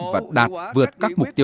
và đạt vượt các nguyên liệu